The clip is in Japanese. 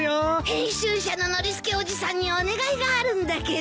編集者のノリスケおじさんにお願いがあるんだけど。